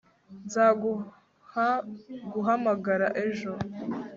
Nzaguha guhamagara ejo